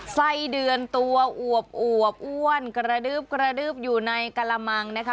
ไส้เดือนตัวอวบอ้วนกระดื๊บกระดื๊บอยู่ในกระมังนะคะ